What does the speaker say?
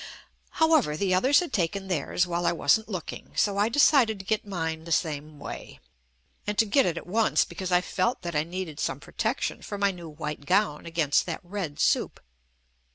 However, the others had taken theirs while I wasn't looking, so I decided to get mine the same way. And to get it at once, because I felt that I needed some protection for my new white gown against that red soup.